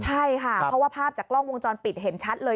ใช่ค่ะเพราะว่าภาพจากกล้องวงจรปิดเห็นชัดเลย